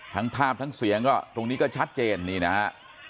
ทั้งภาพทั้งเสียงก็ตรงนี้ก็ชัดเจนนี่นะฮะ